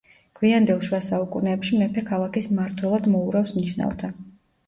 გვიანდელ შუა საუკუნეებში მეფე ქალაქის მმართველად მოურავს ნიშნავდა.